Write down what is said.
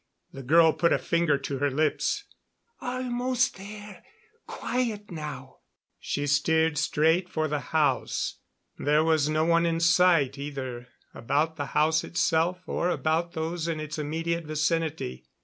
The girl put a finger to her lips. "Almost there. Quiet now." She steered straight for the house. There was no one in sight, either about the house itself or about those in its immediate vicinity.